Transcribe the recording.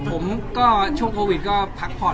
ผมก็ช่วงโควิดก็พักผ่อน